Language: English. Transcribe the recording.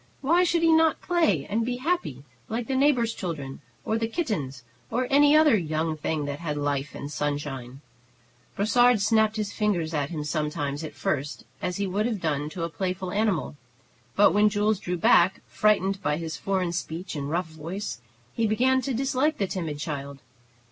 Why should he not play and be happy, like the neighbor's children or the kittens or any other young thing that had life and sunshine? Brossard snapped his fingers at him sometimes at first, as he would have done to a playful animal; but when Jules drew back, frightened by his foreign speech and rough voice, he began to dislike the timid child.